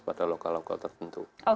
pada lokal lokal tertentu